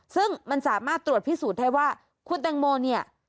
ซึ่งมันสามารถตรวจพิสูจน์ได้ว่าคุณแตงโมเนี่ย